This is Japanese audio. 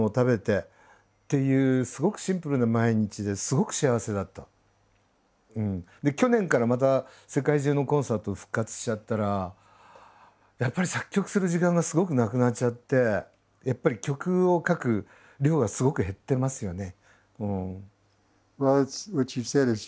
延期されちゃったから時間があって去年からまた世界中のコンサート復活しちゃったらやっぱり作曲する時間がすごくなくなっちゃってやっぱり曲を書く量がすごく減ってますよね。